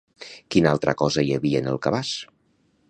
Quina altra cosa hi havia en el cabàs?